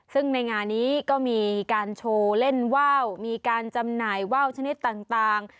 ซึ่งในงานนี้ก็มีการโชว์เล่นว่าวมีการจำหน่ายว่าวชนิดต่าง